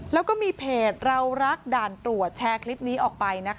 แล้วก็มีเพจเรารักด่านตรวจแชร์คลิปนี้ออกไป